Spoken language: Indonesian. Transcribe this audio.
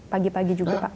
pagi pagi juga pak